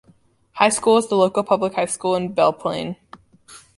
High School is the local public high school in Belle Plaine.